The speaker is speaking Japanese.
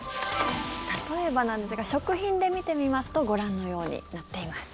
例えばなんですが食品で見てみますとご覧のようになっています。